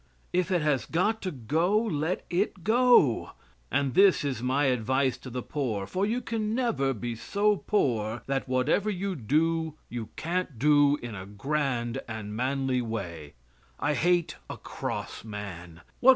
If it has got to go, let it go. And this is my advice to the poor. For you can never be so poor that whatever you do you can't do in a grand and manly way. I hate a cross man.